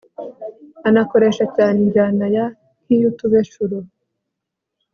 anakoresha cyane injyana ya nkiy'utubeshuro